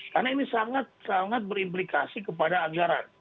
karena ini sangat sangat berimplikasi kepada anggaran